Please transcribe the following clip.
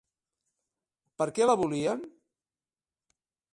Per què la volien?